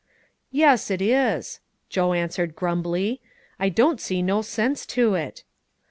"Yes, it is," Joe answered grumbly. "I don't see no sense to it."